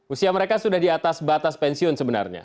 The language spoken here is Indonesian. usia mereka sudah di atas batas pensiun sebenarnya